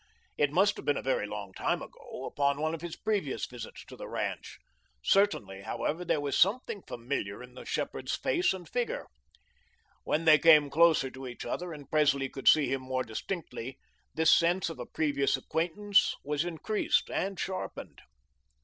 It must have been a very long time ago, upon one of his previous visits to the ranch. Certainly, however, there was something familiar in the shepherd's face and figure. When they came closer to each other, and Presley could see him more distinctly, this sense of a previous acquaintance was increased and sharpened.